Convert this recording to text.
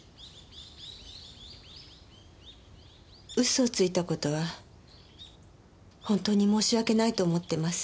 嘘をついた事は本当に申し訳ないと思ってます。